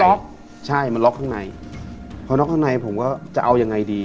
ล็อกใช่มันล็อกข้างในพอล็อกข้างในผมก็จะเอายังไงดี